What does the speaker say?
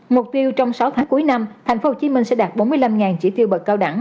mục tiêu trong sáu tháng cuối năm tp hcm sẽ đạt bốn mươi năm chỉ tiêu bật cao đẳng